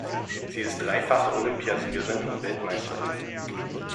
Sie ist dreifache Olympiasiegerin und Weltmeisterin.